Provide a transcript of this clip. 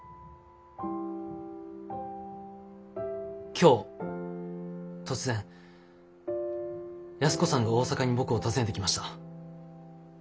今日突然安子さんが大阪に僕を訪ねてきました。